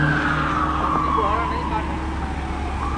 راتی ٻُہارا نائیں کڈؔھٹؔاں